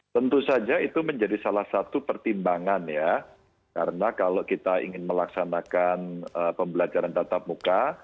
tentu saja itu menjadi salah satu pertimbangan ya karena kalau kita ingin melaksanakan pembelajaran tatap muka